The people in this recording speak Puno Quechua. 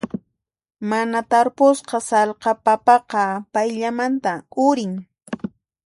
Mana tarpusqa sallqa papaqa payllamanta urin.